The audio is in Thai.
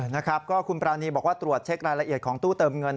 นะครับก็คุณปรานีบอกว่าตรวจเช็ครายละเอียดของตู้เติมเงิน